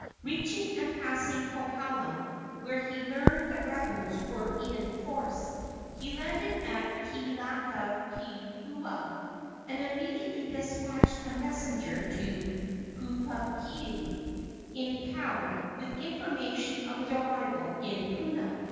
Reaching and passing Kohala, where he learned the rebels were in force, he landed at Kealakeakua, and immediately despatched a messenger to Pupuakea, in Kau, with information of his arrival in Puna.